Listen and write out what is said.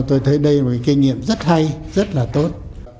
tôi thấy đây là một kinh nghiệm rất hay rất là tốt